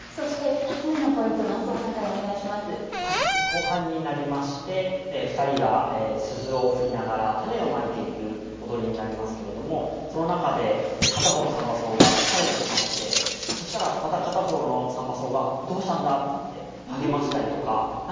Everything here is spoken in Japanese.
後半になりまして２人が鈴を振りながら種をまいている踊りになりますけれどもその中で片方の三番叟が疲れてしまってそしたらまた片方の三番叟が「どうしたんだ」って言って励ましたりとか「何で休むんだよ」